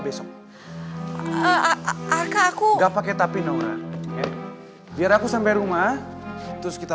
berapa lama kamu sampai